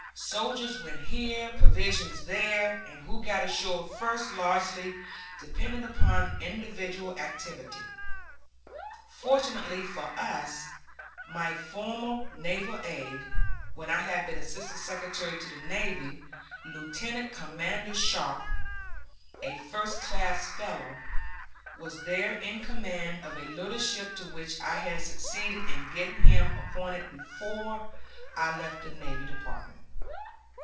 Soldiers went here, provisions there; and who got ashore first largely depended upon individual activity. Fortunately for us, my former naval aide, when I had been Assistant Secretary of the Navy, Lieutenant Commander Sharp, a first class fellow, was there in command of a little ship to which I had succeeded in getting him appointed before I left the Navy Department.